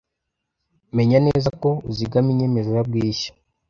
Menya neza ko uzigama inyemezabwishyu.